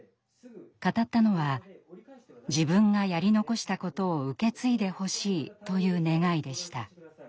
語ったのは自分がやり残したことを受け継いでほしいという願いでした。